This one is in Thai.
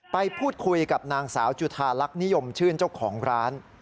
ไปพูดคุยกับนางสาวจุธาลักษณ์นิยมชื่นเจ้าของร้าน